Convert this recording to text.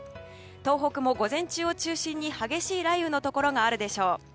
東北も午前中を中心に激しい雷雨のところがあるでしょう。